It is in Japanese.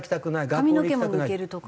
髪の毛も抜けるとか。